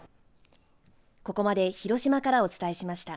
ここまで広島からお伝えしました。